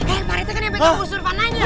eh pak rt kan yang pake busur panahnya